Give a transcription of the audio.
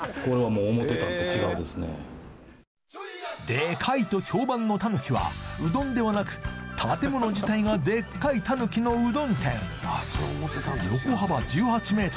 デカいと評判のタヌキはうどんではなく建物自体がでっかいタヌキのうどん店横幅１８ｍ